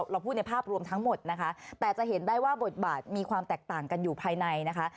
เราพูดในภาพรวมทั้งหมดนะคะแต่จะเห็นได้ว่าบทบาทมีความแตกต่างกันอยู่ภายในนะคะ